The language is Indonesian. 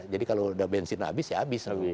jadi kalau udah bensin abis ya abis